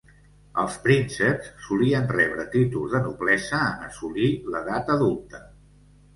Els prínceps solien rebre títols de noblesa en assolir l'edat adulta.